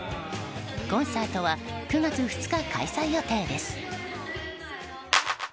コンサートは９月２日開催予定です。